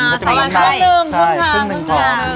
อ๋อครึ่งนึงครึ่งนึงครึ่งนึง